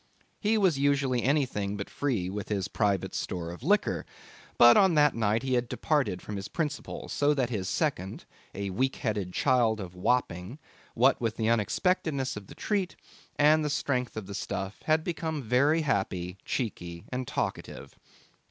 He was usually anything but free with his private store of liquor; but on that night he had departed from his principles, so that his second, a weak headed child of Wapping, what with the unexpectedness of the treat and the strength of the stuff, had become very happy, cheeky, and talkative.